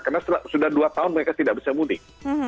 karena sudah dua tahun mereka tidak bisa mudik